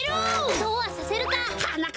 そうはさせるか！